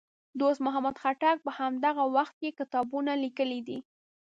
دوست محمد خټک په همدغه وخت کې کتابونه لیکي دي.